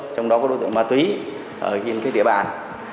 trong đó có đối tượng ma túy ở trên địa bàn